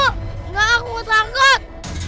enggak aku takut